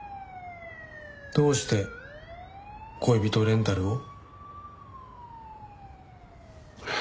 どうして恋人レンタルを？